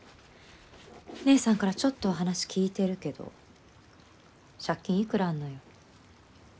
姉さんからちょっとは話聞いてるけど借金いくらあんのよ？